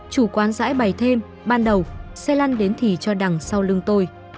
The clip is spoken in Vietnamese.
chủ quán rãi bày thêm ban đầu xe lăn đến thì cho đằng sau lưng tôi